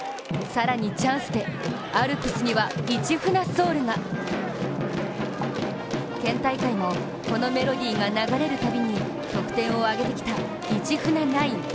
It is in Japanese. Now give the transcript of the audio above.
更にチャンスでアルプスには「市船ｓｏｕｌ」が県大会も、このメロディーが流れるたびに得点を挙げてきた、市船ナイン。